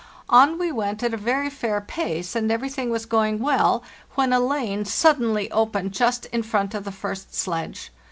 On we went at a very fair pace, and everything was going well, when a lane suddenly opened just in front of the first sledge.